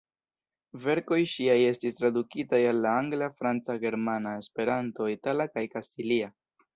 Verkoj ŝiaj estis tradukitaj al la angla, franca, germana, Esperanto, itala kaj kastilia.